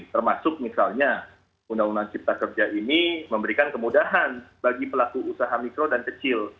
termasuk misalnya undang undang cipta kerja ini memberikan kemudahan bagi pelaku usaha mikro dan kecil